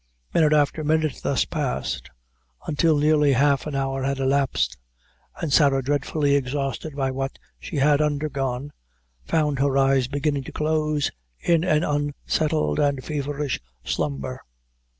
Minute after minute thus passed, until nearly half an hour had elapsed, and Sarah dreadfully exhausted by what she had undergone, found her eyes beginning to close in an unsettled and feverish slumber.